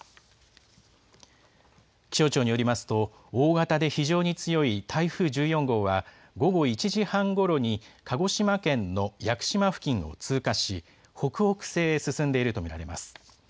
気象庁によりますと、大型で非常に強い台風１４号は、午後１時半ごろに、鹿児島県の屋久島付近を通過し、北北西へ進んでいると見られます。